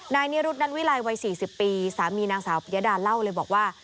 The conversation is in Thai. ในที่ไลน์วัย๔๐ปีสามีนางสาวปริยดารเล่าเลยบอกว่า